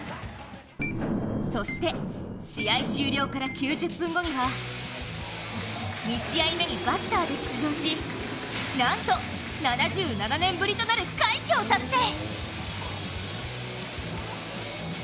そして試合終了から９０分後には２試合目にバッターで出場しなんと７７年ぶりとなる快挙を達成。